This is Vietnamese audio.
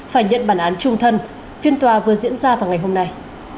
phải nhận bản án trung thân phiên tòa vừa diễn ra vào ngày hôm nay